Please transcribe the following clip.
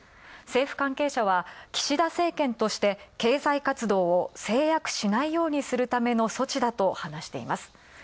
政府関係者は岸田政権として経済活動を制約しないようにするための措置だと話しています。